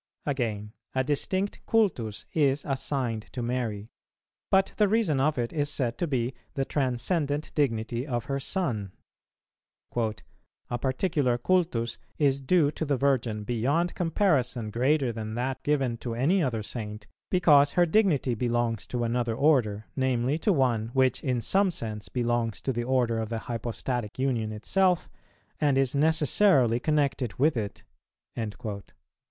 Again, a distinct cultus is assigned to Mary, but the reason of it is said to be the transcendent dignity of her Son. "A particular cultus is due to the Virgin beyond comparison greater than that given to any other Saint, because her dignity belongs to another order, namely to one which in some sense belongs to the order of the Hypostatic Union itself, and is necessarily connected with it," p.